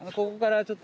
ここから？